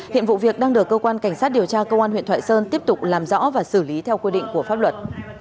hiện vụ việc đang được cơ quan cảnh sát điều tra công an huyện thoại sơn tiếp tục làm rõ và xử lý theo quy định của pháp luật